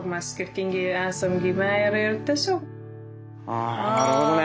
あなるほどね。